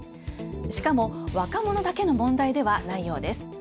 しかも、若者だけの問題ではないようです。